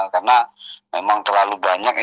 karena memang terlalu banyak